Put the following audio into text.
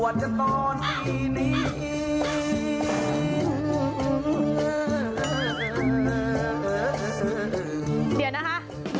เดี๋ยวนะคะ